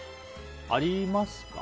ありますか？